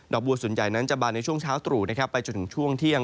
บัวส่วนใหญ่นั้นจะบานในช่วงเช้าตรู่ไปจนถึงช่วงเที่ยง